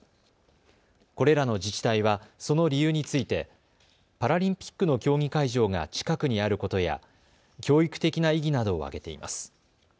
これらの自治体はその理由についてパラリンピックの競技会場が近くにあることや教育的な意義などを挙げています。